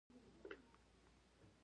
یا هغه ټوکر چې له تار څخه جوړ شوی وي.